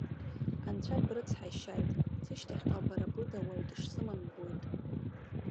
Анцәа брыцҳаишьааит, сышьҭахьҟа бара быда уаҩ дышсымам ибоит.